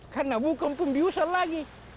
karena bukang pun diusir lagi